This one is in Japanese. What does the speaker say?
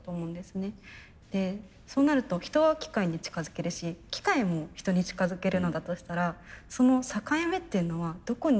そうなると人は機械に近づけるし機械も人に近づけるのだとしたらその境目っていうのはどこになると？